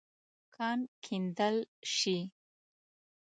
کان کیندل شې.